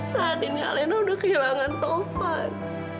saat ini alina udah kehilangan taufan